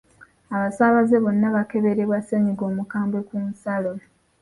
Abasaabaze bonna bakeberebwa ssenyiga omukambwe ku nsalo.